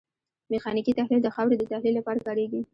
میخانیکي تحلیل د خاورې د تحلیل لپاره کاریږي